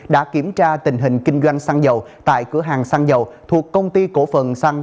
đã kiểm tra tình hình kinh doanh xăng dầu tại cửa hàng xăng dầu thuộc công ty cổ phần xăng